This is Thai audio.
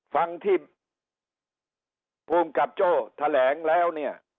ฟังที่ภูมิกับโจ้แถลงแล้วเนี่ย